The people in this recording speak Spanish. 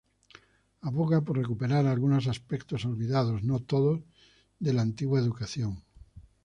Aboga por recuperar algunos aspectos olvidados, no todos, de la antigua educación.